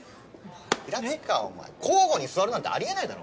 平塚お前交互に座るなんてありえないだろ！